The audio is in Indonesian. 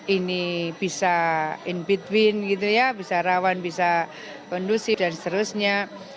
ini bisa in between gitu ya bisa rawan bisa kondusif dan seterusnya